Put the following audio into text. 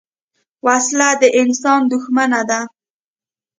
وسله د انسان دښمنه ده